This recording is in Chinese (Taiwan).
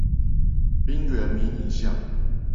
冰原迷你象